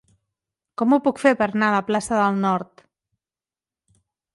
Com ho puc fer per anar a la plaça del Nord?